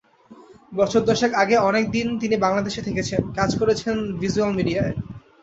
বছর দশেক আগে অনেক দিন তিনি বাংলাদেশে থেকেছেন, কাজ করেছেন ভিজ্যুয়াল মিডিয়ায়।